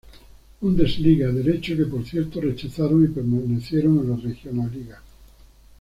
Bundesliga, derecho que por cierto rechazaron y permanecieron en la Regionalliga.